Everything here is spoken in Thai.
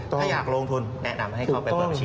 ถ้าอยากลงทุนแนะนำให้เขาเป็นบัญชีของทุกคน